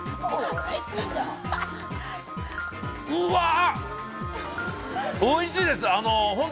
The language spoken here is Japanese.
うわ、おいしいです！